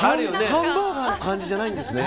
ハンバーガーの感じじゃないんですね。